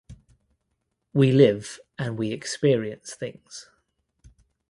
We live and we experience things.